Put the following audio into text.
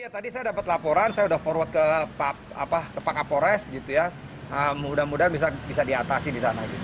tadi saya dapat laporan saya sudah forward ke pak kapolres gitu ya mudah mudahan bisa diatasi di sana